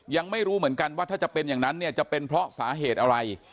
ยังไม่รู้เหมือนกันว่าถ้าจะเป็นอย่างนั้นเนี่ยจะเป็นเพราะสาเหตุอะไร